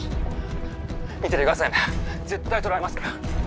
見ててくださいね絶対捕らえますから。